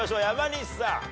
山西さん。